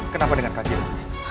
kenapa dengan kaki lu